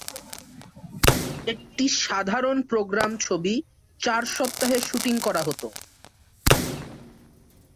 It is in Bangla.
একটি সাধারণ প্রোগ্রাম ছবি চার সপ্তাহে শুটিং করা হতো।